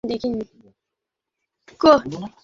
আমরা আজ রাতে এটা নিয়ে বিস্তারিত আলোচনা করব।